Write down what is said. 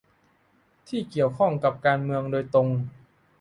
ที่เกี่ยวข้องกับการเมืองโดยตรง